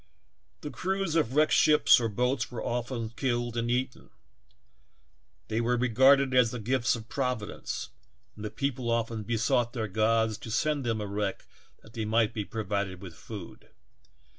The crews of wrecked ships or boats were always killed and eaten ; they were regarded as the gifts of Providence and the people often besought their gods to send them a wreck that they might be provided with food.